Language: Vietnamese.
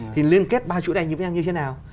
thì liên kết ba chủ đề như thế nào